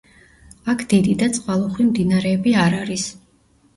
აქ დიდი და წყალუხვი მდინარეები არ არის.